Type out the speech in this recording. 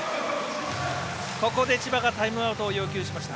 ここで千葉がタイムアウトを要求しました。